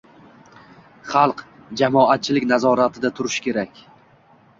xalq – jamoatchilik nazoratida turishi kerak.